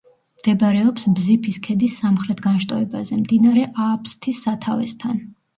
მდებარეობს ბზიფის ქედის სამხრეთ განშტოებაზე, მდინარე ააფსთის სათავესთან.